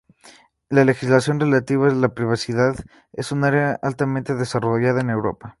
La legislación relativa a la privacidad es un área altamente desarrollada en Europa.